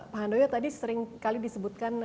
pak handoyo tadi seringkali disebutkan